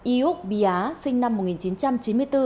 ioc bia sinh năm một nghìn chín trăm chín mươi bốn